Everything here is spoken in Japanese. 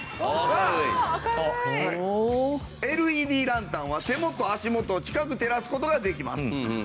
ＬＥＤランタンは手元足元を近く照らす事ができます。